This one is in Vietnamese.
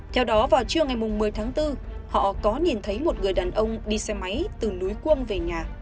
theo đó vào trưa ngày một mươi tháng bốn họ có nhìn thấy một người đàn ông đi xe máy từ núi cuông về nhà